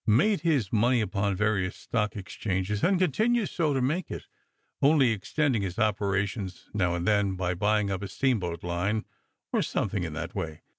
Made his money upon various stock exchanges, and continues so to make it, only extending his operations now and then by buying up a steamboat line, or something in that way.